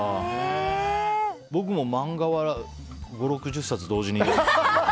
僕も、漫画は５０６０冊同時に。